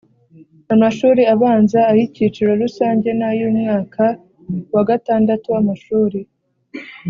amashuri abanza ay icyiciro rusange n ay umwaka wa gatandatu w amashuri